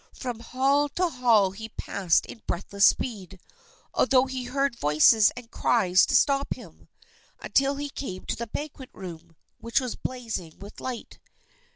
From hall to hall he passed in breathless speed, although he heard voices and cries to stop him, until he came to the banquet room, which was blazing with light.